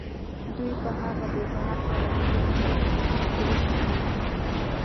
دوی به هغه بې ګناه خلک ژوندي پرېنږدي